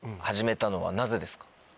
始めたのはなぜですか？